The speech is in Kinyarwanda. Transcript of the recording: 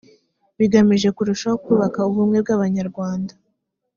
bigamije kurushaho kubaka ubumwe bw’abanyarwanda